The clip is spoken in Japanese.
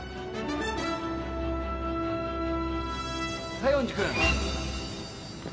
・西園寺君。